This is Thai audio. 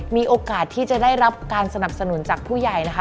มีโอกาสที่จะได้รับการสนับสนุนจากผู้ใหญ่นะคะ